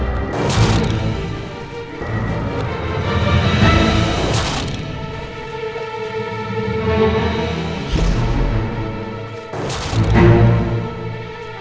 dapah aika dapah